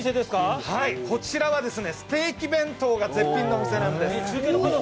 こちらはステーキ弁当が絶品のお店です。